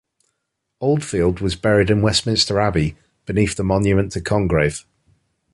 Oldfield was buried in Westminster Abbey, beneath the monument to Congreve.